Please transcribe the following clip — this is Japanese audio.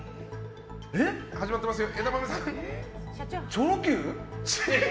チョロＱ？